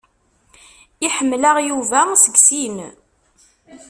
Iḥemmel-aɣ Yuba seg sin.